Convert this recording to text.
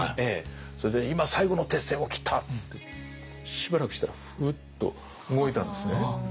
それで「今最後の鉄線を切った」って。しばらくしたらふっと動いたんですね。